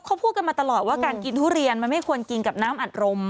เขาพูดกันมาตลอดว่าการกินทุเรียนมันไม่ควรกินกับน้ำอัดลม